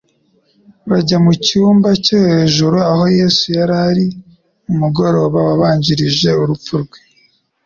Bajya mu cyumba cyo hejunt, aho Yesu yari ari mu mugoroba wabanjirije urupfu rwe.